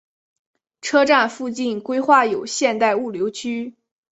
车站附近规划有现代物流区。